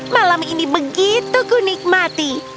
malam ini begitu ku nikmati